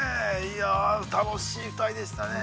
◆楽しい２人でしたね。